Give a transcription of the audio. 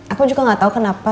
aku juga gak tahu kenapa